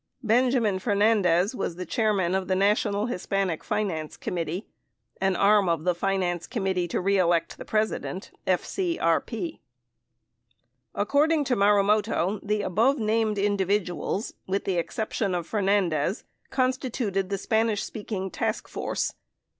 Benjamin Fernandez was the chairman of the National Hispanic Finance Committee, an arm of the Finance Committee to Re Elect the President (FCRP). According to Marumoto, the above named individuals — with the exception of Fernandez — constituted the Spanish speaking task force.